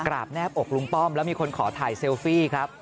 แนบอกลุงป้อมแล้วมีคนขอถ่ายเซลฟี่ครับ